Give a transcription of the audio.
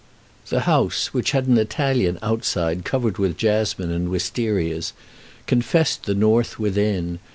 The house, which had an Italian outside covered with jasmine and wistarias, confessed the North within.